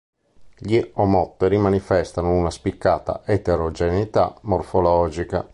Gli Omotteri manifestano una spiccata eterogeneità morfologica.